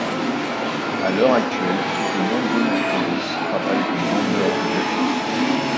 À l'heure actuelle, de nombreux Mercheros travaillent comme vendeurs de vêtements.